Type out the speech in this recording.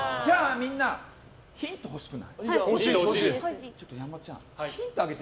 みんな、ヒント欲しくない？